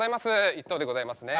１等でございますね。